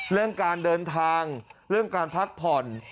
เรื่องการเดินทางเรื่องการพักผ่อน